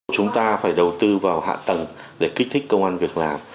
chúng ta phải đầu tư vào hạ tầng để kích thích công an việc làm